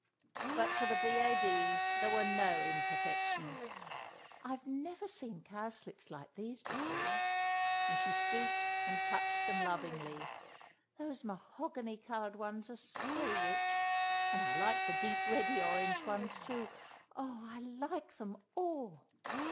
But for the V.A.D. there were no imperfections. "I've never seen cowslips like these before," and she stooped and touched them lovingly. "Those mahogany coloured ones are so rich. And I like the deep reddy orange ones too. Oh—I like them all!"